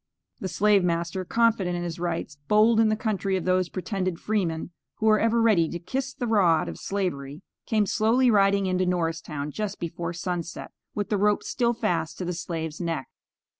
The slave master, confident in his rights, bold in the country of those pretended freemen, who were ever ready to kiss the rod of Slavery, came slowly riding into Norristown, just before sunset, with the rope still fast to the slave's neck.